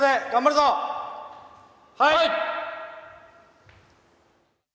はい！